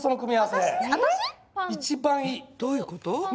どういうこと？